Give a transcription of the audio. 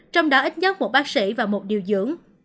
trong đó ít nhất một bác sĩ và một điều dưỡng